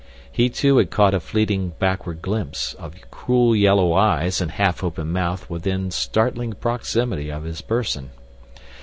He, too, had caught a fleeting backward glimpse of cruel yellow eyes and half open mouth within startling proximity of his person.